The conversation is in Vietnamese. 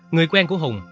người quen của hùng